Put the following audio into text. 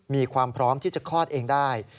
มีความพร้อมที่จะคลอดเองได้